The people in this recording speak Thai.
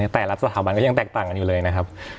แต่ละสถาบันก็ยังแตกต่างกันอยู่เลยนะครับ